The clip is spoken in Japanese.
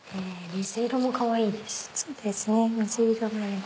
水色もかわいいです。